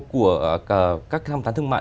của các tham tán thương mại